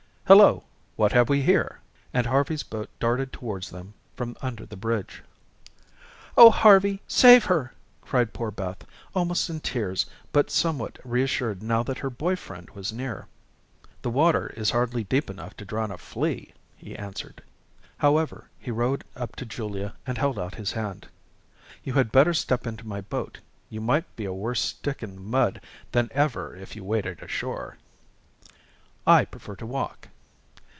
"Hello, what have we here?" and Harvey's boat darted towards them from under the bridge. "Oh, Harvey, save her," cried poor Beth, almost in tears but somewhat reassured now that her boy friend was near. "The water is hardly deep enough to drown a flea," he answered. However, he rowed up to Julia, and held out his hand. "You had better step into my boat; you might be a worse stick in the mud than ever if you waded ashore." "I prefer to walk."